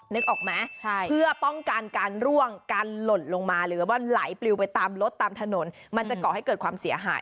นึกออกไหมเพื่อป้องกันการร่วงการหล่นลงมาหรือว่าไหลปลิวไปตามรถตามถนนมันจะก่อให้เกิดความเสียหาย